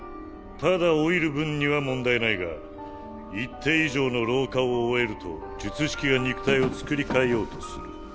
ただ老いる分には問題ないが一定以上の老化を終えると術式が肉体をつくり替えようとする。